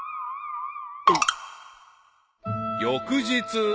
［翌日］